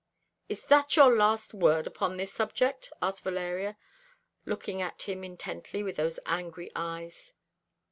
"Is that your last word upon this subject?" asked Valeria, looking at him intently with those angry eyes.